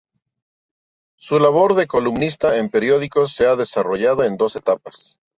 Su labor de columnista en periódicos se ha desarrollado en dos etapas.